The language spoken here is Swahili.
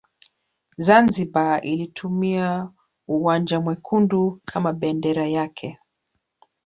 Zanzibar ilitumia uwanja mwekundu kama bendera yake